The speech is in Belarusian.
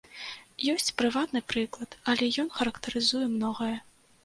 Ёсць прыватны прыклад, але ён характарызуе многае.